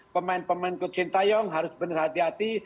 pemain pemain kuching taeyong harus benar hati hati